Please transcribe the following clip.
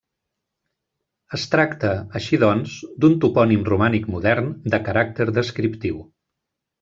Es tracta, així doncs, d'un topònim romànic modern, de caràcter descriptiu.